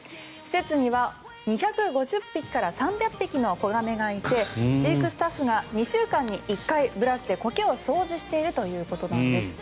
施設には２５０匹から３００匹の子亀がいて飼育スタッフが２週間に１回ブラシでコケを掃除しているということです。